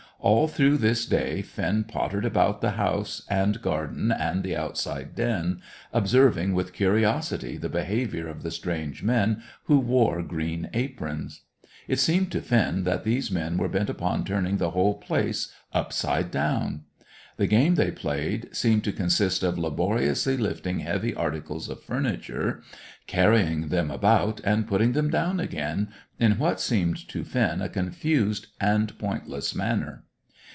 All through this day Finn pottered about the house and garden and the outside den, observing with curiosity the behaviour of the strange men who wore green aprons. It seemed to Finn that these men were bent upon turning the whole place upside down. The game they played seemed to consist of laboriously lifting heavy articles of furniture, carrying them about, and putting them down again, in what seemed to Finn a confused and pointless manner.